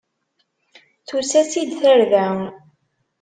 Tusa-tt-id tarda.